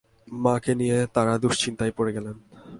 মাকে নিয়ে তাড়া দুশ্চিন্তায় পড়ে গেলেন।